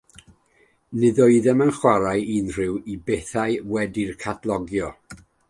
Nid oeddem yn chwarae unrhyw hen bethau wedi'u catalogio.